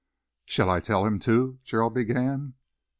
"Shall I tell him, too " Gerald began.